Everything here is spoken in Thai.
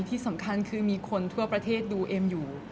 ที่สำคัญคือมีคนทั่วประเทศดูเอ็มอยู่